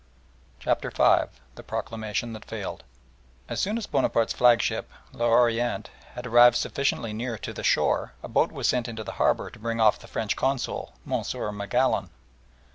CHAPTER V THE PROCLAMATION THAT FAILED As soon as Bonaparte's flagship, l'Orient, had arrived sufficiently near to the shore a boat was sent into the harbour to bring off the French Consul, Monsieur Magallon.